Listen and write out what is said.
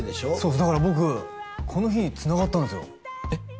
だから僕この日つながったんですよえっ？